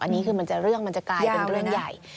อันนี้คือมันจะเรื่องมันจะกลายเป็นเรื่องใหญ่